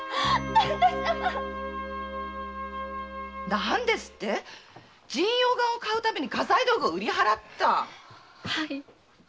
何ですって⁉神陽丸を買うために家財道具を売った⁉はい。